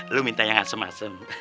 lu minta yang asem asem